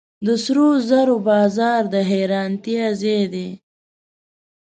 د سرو زرو بازار د حیرانتیا ځای دی.